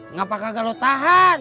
ngapakah gak lu tahan